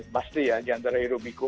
pasti ya diantara hero biko